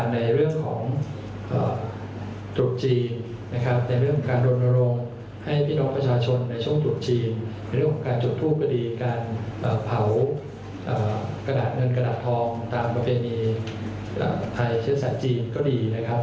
ในเรื่องของการจบทูปก็ดีการเผากระดาษเงินกระดาษทองตามประเภนมีไทยเชื้อสัตว์จีนก็ดีนะครับ